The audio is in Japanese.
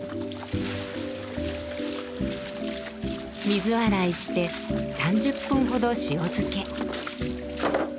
水洗いして３０分ほど塩漬け。